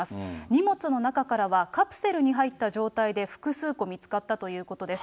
荷物の中からは、カプセルに入った状態で複数個見つかったということです。